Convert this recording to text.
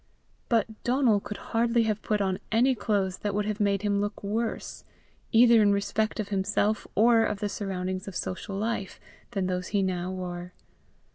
But Donal could hardly have put on any clothes that would have made him look worse, either in respect of himself or of the surroundings of social life, than those he now wore.